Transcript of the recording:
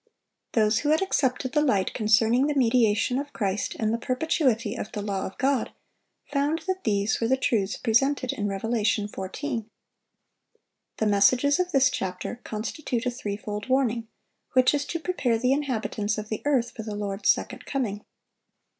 Those who had accepted the light concerning the mediation of Christ and the perpetuity of the law of God, found that these were the truths presented in Revelation 14. The messages of this chapter constitute a threefold warning,(721) which is to prepare the inhabitants of the earth for the Lord's second coming.